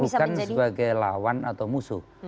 bukan sebagai lawan atau musuh